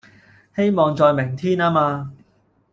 希望在明天吖嘛